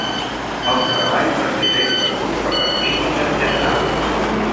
El treball va ser ben rebut per la crítica en general.